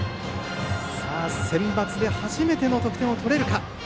センバツで初めての得点を取れるか。